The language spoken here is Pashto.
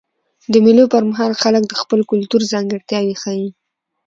د مېلو پر مهال خلک د خپل کلتور ځانګړتیاوي ښیي.